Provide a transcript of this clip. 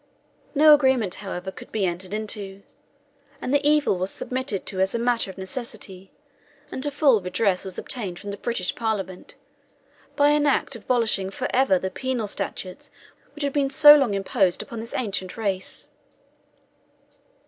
No agreement, however, could be entered into; and the evil was submitted to as a matter of necessity, until full redress was obtained from the British Parliament, by an act abolishing for ever the penal statutes which had been so long imposed upon this ancient race.